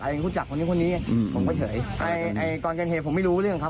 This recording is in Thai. อะไรคุณสาวของนี่ผมก็เฉยก่อนกันเหตุผมไม่รู้เรื่องครับ